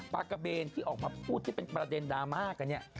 ปากะเบนที่ออกมาพูดที่เป็นประเด็นดราม่ากันเนี่ย